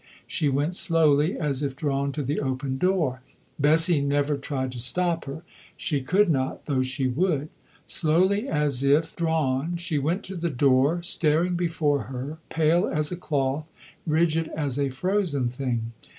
She went slowly as if drawn to the open door. Bessie never tried to stop her; she could not though she would. Slowly as if drawn she went to the door, staring before her, pale as a cloth, rigid as a frozen thing.